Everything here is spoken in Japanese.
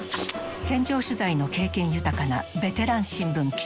戦場取材の経験豊かなベテラン新聞記者。